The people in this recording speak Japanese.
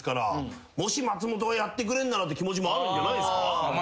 もし松本がやってくれんならって気持ちもあるんじゃないですか？